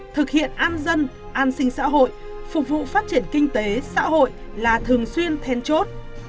thực hiện an dân an sinh xã hội phục vụ phát triển kinh tế xã hội là thường xuyên then chốt